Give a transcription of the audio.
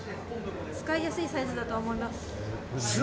使いやすいサイズだと思います。